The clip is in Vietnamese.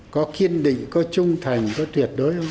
có kiên định có trung thành có tuyệt đối không